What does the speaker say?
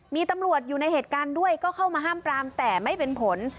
มีตำรวจอยู่ในเหตุการณ์ด้วยก็เข้ามาห้ามปรามแต่ไม่เป็นผล